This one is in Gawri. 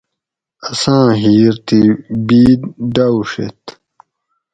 اساں ھیر تی بید ڈاووڛیت